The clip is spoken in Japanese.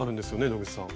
野口さん。